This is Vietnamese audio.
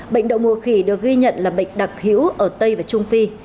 bệnh đậu mùa khỉ được ghi nhận là bệnh đặc hữu ở tây và trung phi